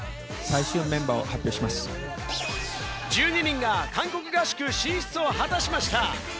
１２人が韓国合宿進出を果たしました。